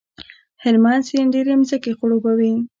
هلمند سیند ډېرې ځمکې خړوبوي.